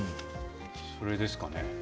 それですかね。